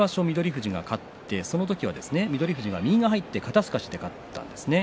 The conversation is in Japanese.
富士が勝ってその時は翠富士が右が入って肩すかしで勝ったんですね。